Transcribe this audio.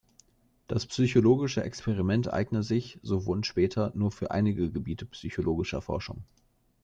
Das psychologische Experiment eigne sich, so Wundt später, nur für einige Gebiete psychologischer Forschung.